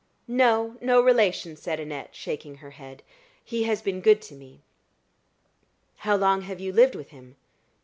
"No no relation," said Annette, shaking her head. "He has been good to me." "How long have you lived with him?"